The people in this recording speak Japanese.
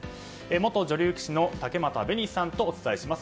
元女流棋士の竹俣紅さんとお伝えします。